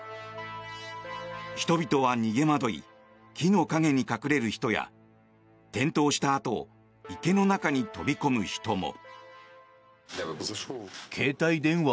人々は逃げまどい木の陰に隠れる人や転倒したあと池の中に飛び込む人も。